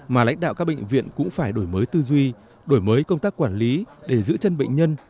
mà lãnh đạo các bệnh viện cũng phải đổi mới tư duy đổi mới công tác quản lý để giữ chân bệnh nhân